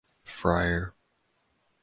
Fryer.